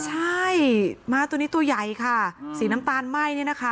ใช่ม้าตัวนี้ตัวใหญ่ค่ะสีน้ำตาลไหม้เนี่ยนะคะ